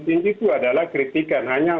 tim itu adalah kritikan hanya